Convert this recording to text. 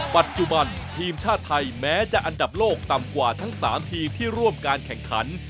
ปัจจุบันทีมชาติไทยแม้จะอันดับโลกต่ำกว่าทั้ง๓ทีมที่ร่วมการแข่งขัน